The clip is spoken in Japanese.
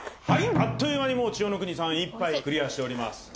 はいあっという間にもう千代の国さん１杯クリアしております